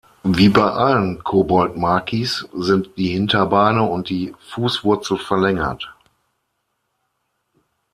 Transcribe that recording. Wie bei allen Koboldmakis sind die Hinterbeine und die Fußwurzel verlängert.